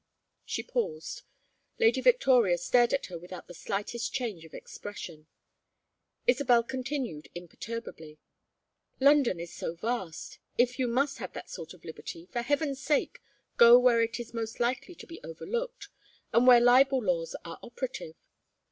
She paused. Lady Victoria stared at her without the slightest change of expression. Isabel continued imperturbably. "London is so vast if you must have that sort of liberty, for heaven's sake go where it is most likely to be overlooked and where libel laws are operative.